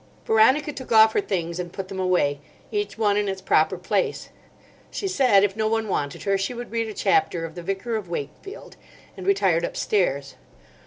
Veronica took off her things and put them away, each one in its proper place. She said, if no one wanted her, she would read a chapter of "The Vicar of Wakefield," and retired upstairs.